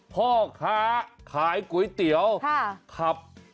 พ่อค้าขายก๋วยเตี๋ยวขับ